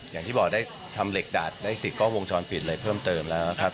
อย่างที่บอกได้ทำเหล็กดาดได้ติดกล้องวงจรปิดอะไรเพิ่มเติมแล้วนะครับ